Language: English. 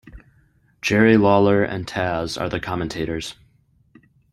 Jerry Lawler, and Tazz are the commentators.